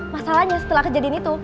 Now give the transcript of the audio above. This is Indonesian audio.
masalahnya setelah kejadian itu